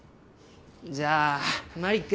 じゃあマリック。